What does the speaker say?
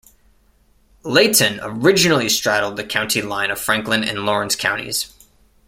Leighton originally straddled the county line of Franklin and Lawrence Counties.